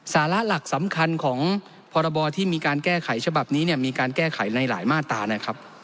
สาระหลักสำคัญของพรบที่มีการแก้ไขฉบับนี้เนี่ยมีการแก้ไขในหลายมาตรานะครับ